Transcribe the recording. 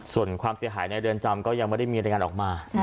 ส่วนความเสียหายในเรือนจำก็ยังไม่ได้มีรายงานออกมา